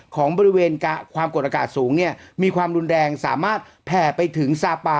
ของบริเวณความกดอากาศสูงเนี่ยมีความรุนแรงสามารถแผ่ไปถึงซาปา